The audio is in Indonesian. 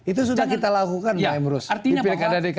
itu sudah kita lakukan pak emrus di pilkada dki